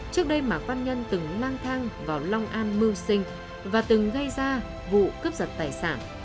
trước đây mà phan nhân từng mang thang vào long an mưu sinh và từng gây ra vụ cướp giật tài sản